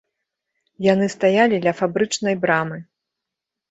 Яны стаялі ля фабрычнай брамы.